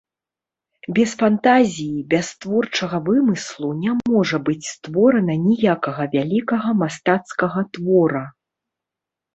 Без фантазіі, без творчага вымыслу не можа быць створана ніякага вялікага мастацкага твора.